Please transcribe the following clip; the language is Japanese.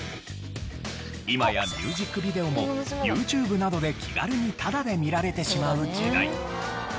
今やミュージックビデオもＹｏｕＴｕｂｅなどで気軽にタダで見られてしまう時代。